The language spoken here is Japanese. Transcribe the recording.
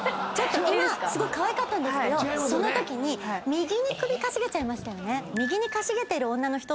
すごいかわいかったけどそのときに右に首かしげちゃいましたよね。